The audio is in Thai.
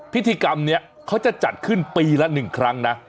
พิธีกรรมนี้เขาจะจัดขึ้นปีละ๑ครั้งนะ